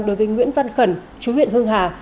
đối với nguyễn văn khẩn chú nguyễn hưng hà